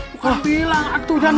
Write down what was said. bukan bilang aku tahu pak